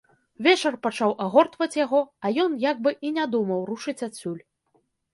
Вечар пачаў агортваць яго, а ён як бы і не думаў рушыць адсюль.